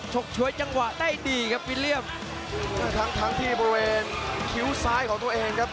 กชวยจังหวะได้ดีครับวิลเลี่ยมทั้งทั้งที่บริเวณคิ้วซ้ายของตัวเองครับ